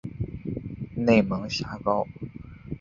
内蒙邪蒿